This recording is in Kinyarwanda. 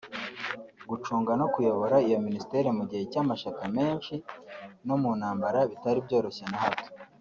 gucunga no kuyobora iyo Ministère mu gihe cy’amashyaka menshi no mu ntambara bitari byoroshye na gato